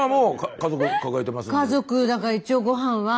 家族だから一応ごはんは。